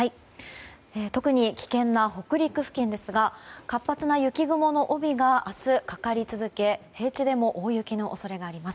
特に危険な北陸付近ですが活発な雪雲の帯が明日、かかり続け平地でも大雪の恐れがあります。